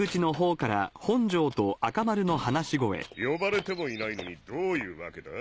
呼ばれてもいないのにどういうわけだ？